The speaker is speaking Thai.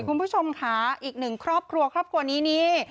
คุณผู้ชมค่ะอีกหนึ่งครอบครัวครอบครัวนี้นี่